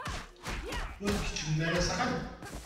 Ur d-tkeččmem ara s axxam?